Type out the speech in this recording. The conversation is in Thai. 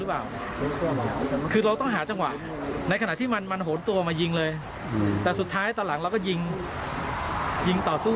เพราะว่ารถเราไม่ได้กันกระสุน